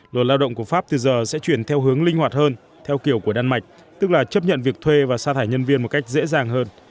luật lao động của pháp từ giờ sẽ chuyển theo hướng linh hoạt hơn theo kiểu của đan mạch tức là chấp nhận việc thuê và xa thải nhân viên một cách dễ dàng hơn